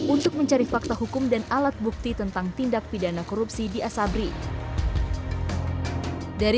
untuk mencari fakta hukum dan alat bukti tentang tindak pidana korupsi di asabri